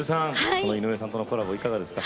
この井上さんとのコラボいかがですか？